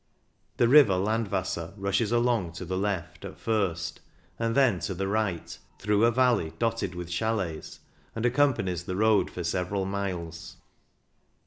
The river Landwasser rushes along to the left at first, and then to the right) through a valley dotted with chcdets, and accompanies the road for several miles.